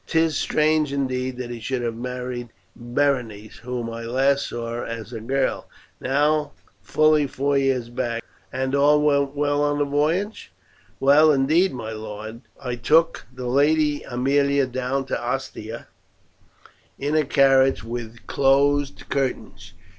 'Tis strange indeed that he should have married Berenice, whom I last saw as a girl, now fully four years back. And all went well on the voyage?" "Well indeed, my lord. I took the Lady Aemilia down to Ostia in a carriage with closed curtains.